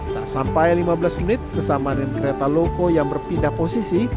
tak sampai lima belas menit bersamaan dengan kereta loko yang berpindah posisi